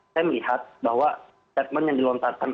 saya melihat bahwa statement yang dilontarkan